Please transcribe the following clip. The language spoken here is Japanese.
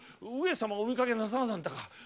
上様をお見かけなさらなんだか？